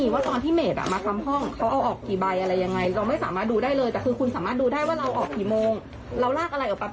ว่าพนักงานคุณไม่ได้เอาออกอะไร